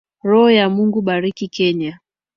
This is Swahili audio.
Roho wa Mungu, Bariki kenya.